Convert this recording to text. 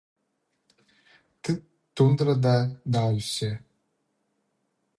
Тыт тундрада даа ӧсче.